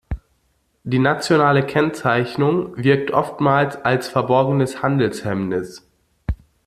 Die nationale Kennzeichnung wirkt oftmals als verborgenes Handelshemmnis.